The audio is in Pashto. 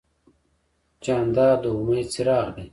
جانداد د امید څراغ دی.